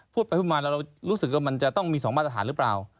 พูดไปพูดมาแล้วเรารู้สึกว่ามันจะต้องมี๒มาตรฐานหรือเปล่า